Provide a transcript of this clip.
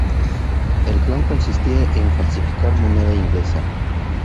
Este plan consistía en falsificar moneda inglesa.